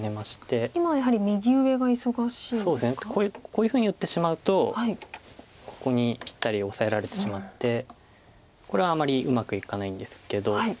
こういうふうに打ってしまうとここにぴったりオサえられてしまってこれはあまりうまくいかないんですけど。